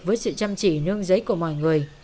với sự chăm chỉ nương giấy của mọi người